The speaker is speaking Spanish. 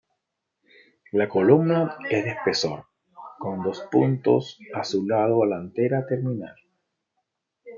La columna es de espesor, con dos puntos a su lado la antera terminal.